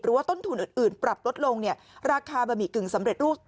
ว่าต้นทุนอื่นปรับลดลงเนี่ยราคาบะหมี่กึ่งสำเร็จรูป